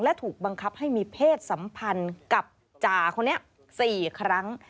และถูกบังคับให้มีเพศสัมพันธ์กับจ่าคนนี้๔ครั้ง